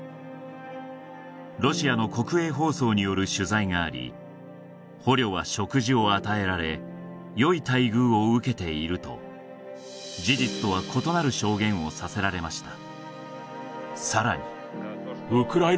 ロシアの国営放送による取材があり「捕虜は食事を与えられ良い待遇を受けている」と事実とは異なる証言をさせられました